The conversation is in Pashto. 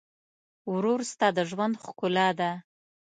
ورور ستا د ژوند ښکلا ده.